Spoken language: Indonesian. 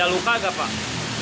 ada luka gak pak